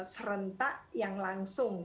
serentak yang langsung